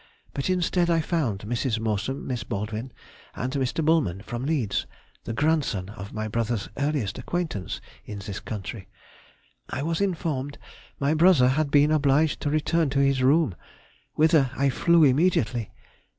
But instead I found Mrs. Morsom, Miss Baldwin, and Mr. Bulman, from Leeds, the grandson of my brother's earliest acquaintance in this country. I was informed my brother had been obliged to return to his room, whither I flew immediately.